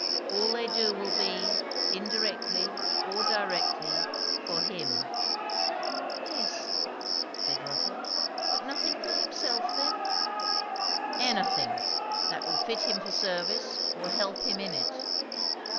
All they do will be, indirectly or directly, for Him." "Yes " said Rotha. "But nothing for himself, then?" "Anything, that will fit him for service, or help him in it."